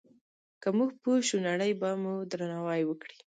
که موږ پوه شو، نړۍ به مو درناوی وکړي.